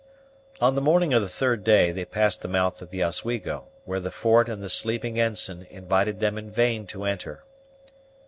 On the morning of the third day they passed the mouth of the Oswego, where the fort and the sleeping ensign invited them in vain to enter.